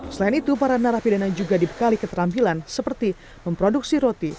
selain itu para narapidana juga dibekali keterampilan seperti memproduksi roti